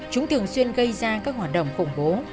chúng thường xuyên gây ra các hoạt động khủng bố